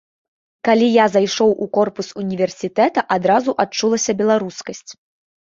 Калі я зайшоў у корпус універсітэта, адразу адчулася беларускасць.